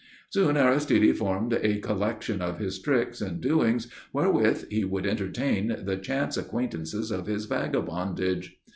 Soon Aristide formed a collection of his tricks and doings wherewith he would entertain the chance acquaintances of his vagabondage.